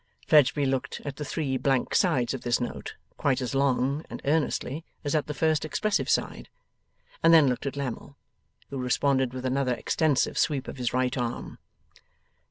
Fledgeby looked at the three blank sides of this note, quite as long and earnestly as at the first expressive side, and then looked at Lammle, who responded with another extensive sweep of his right arm.